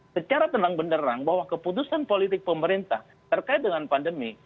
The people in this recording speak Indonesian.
secara tenang benderang bahwa keputusan politik pemerintah terkait dengan pandemi